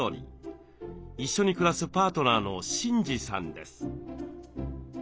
一緒に暮らすパートナーの慎司さんです。